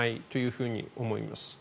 ふうに思います。